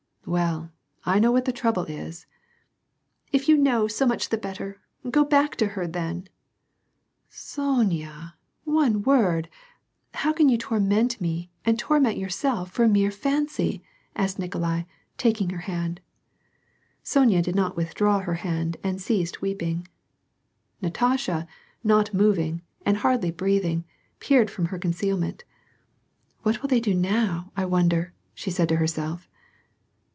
" Well, I know what the trouble is." *•' If you know, so much the better ; go back to her, then." " So o onya ! one word ! How can you torment me, and torment yourself for a mere fancy !" asked Nikolai, taking her hand. Sonya did not withdraw her hand and ceased weeping. Natasha, not moving, and hardly breathing, peered from ^her concealment. " What will they do now, I wonder," she said to herself.